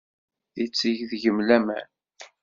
Yetteg deg-m laman.